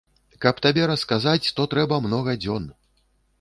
Каб табе расказаць, то трэба многа дзён.